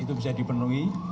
itu bisa dipenuhi